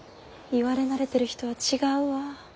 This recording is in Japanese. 言われ慣れてる人は違うわ。